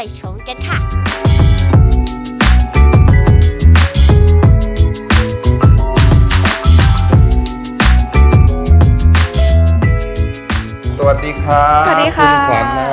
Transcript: สวัสดีค่ะ